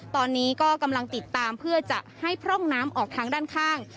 ตอนนี้ก็กำลังติดตามเพื่อจะให้พร่องน้ำออกทางด้านข้าง